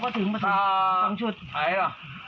พอถึงพอถึง๒ชุด